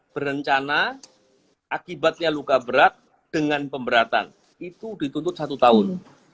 berencana akibatnya luka berat dengan pemberatan itu dituntut satu tahun